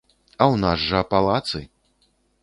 А ў нас жа палацы.